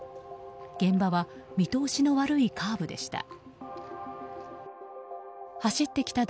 現場は見通しの悪いカーブでした。